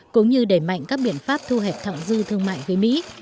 cũng như đẩy mạnh các biện pháp thu hẹp thẳng dư thương mại với mỹ